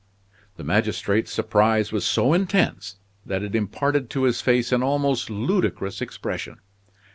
The magistrate's surprise was so intense that it imparted to his face an almost ludicrous expression.